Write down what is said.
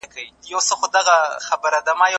که خندا نه درځي، یو خندونکی فلم وګورئ.